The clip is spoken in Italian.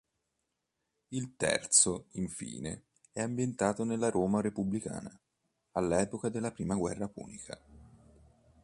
Il terzo, infine, è ambientato nella Roma repubblicana all'epoca della prima guerra punica.